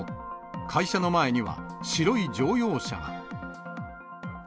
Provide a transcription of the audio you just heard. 会社の前には白い乗用車が。